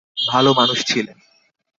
ভালো মানুষ ছিলেন।